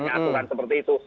ada aturan seperti itu